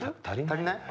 足りない？